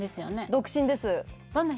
独身です